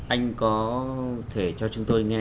anh có thể cho chúng tôi nghe